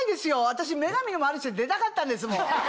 私『女神のマルシェ』出たかったんですもん。